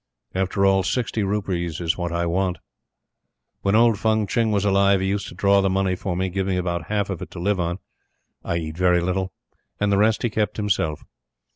After all, sixty rupees is what I want. When old Fung Tching was alive he used to draw the money for me, give me about half of it to live on (I eat very little), and the rest he kept himself.